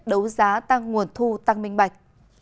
đấu giá tăng nguồn thu tăng minh bạch